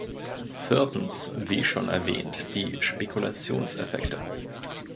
Viertens wie schon erwähnt die Spekulationseffekte.